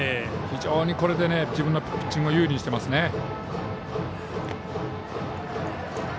非常にこれで自分のピッチングを有利にしていますね。